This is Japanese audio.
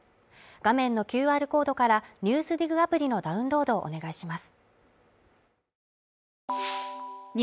画面のＱＲコードから、「ＮＥＷＳＤＩＧ」アプリのダウンロードをお願いします。